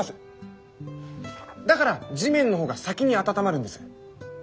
だから地面の方が先に温まるんです。